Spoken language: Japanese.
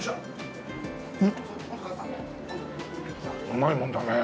うまいもんだね。